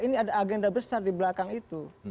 ini ada agenda besar di belakang itu